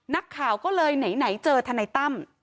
นักข่าวก็เลยไหนเจอทนายตั้ม